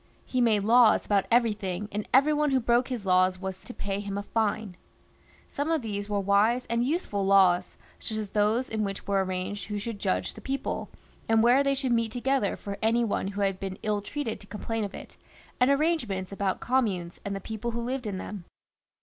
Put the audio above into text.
He made laws about everything, and every one who broke his laws was to pay him a fine. Some of these were wise and useful laws, as those in which were arranged who should judge the people, and where they should meet together for any one who had been ill treated to complain of it, and arrangements about communes and the people who lived in them.